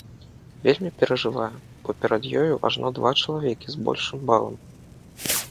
Вельмі перажывае, бо перад ёю ажно два чалавекі з большым балам!